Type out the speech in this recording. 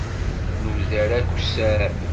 Nuder akessar.